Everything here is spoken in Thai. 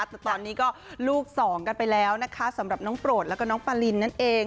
แต่ตอนนี้ก็ลูกสองกันไปแล้วนะคะสำหรับน้องโปรดแล้วก็น้องปารินนั่นเอง